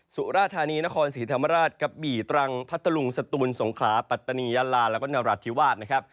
สุราธานีนครศรีธรรมราชกะบี่ตรังพัทธลุงสตูนสงขลาปัตตานียาลาแล้วก็นรัฐธิวาสนะครับ